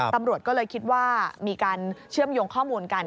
ตำรวจก็เลยคิดว่ามีการเชื่อมโยงข้อมูลกัน